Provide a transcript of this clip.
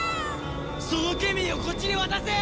そのケミーをこっちに渡せ！